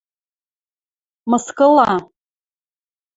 Мыскыла.